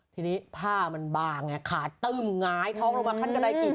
ทีนี้ผ้ามันบางอ่ะขาตื้มหงายท้องลงมาขั้นกระดายกี่ขั้นอ่ะ